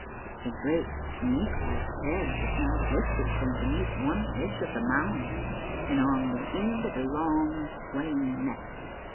A great snake like head was now lifted from beneath one edge of the mound, on the end of a long, swaying neck.